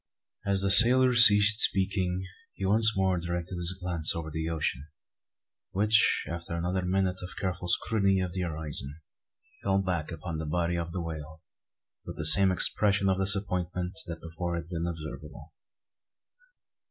As the sailor ceased speaking he once more directed his glance over the ocean; which, after another minute and careful scrutiny of the horizon, fell back upon the body of the whale, with the same expression of disappointment that before had been observable.